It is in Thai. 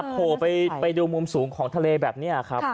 ไปดูมุมสูงของทะเลแบบนี้